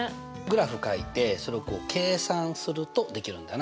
グラフかいてそれを計算するとできるんだな。